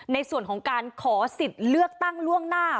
ในส่วนของการขอสิทธิ์เลือกตั้งล่วงหน้า